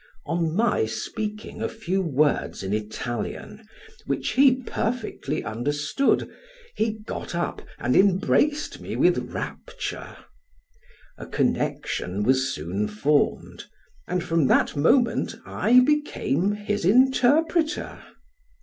On my speaking a few words in Italian, which he perfectly understood, he got up and embraced me with rapture; a connection was soon formed, and from that moment, I became his interpreter.